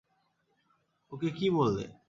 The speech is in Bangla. ওকে কী বললে?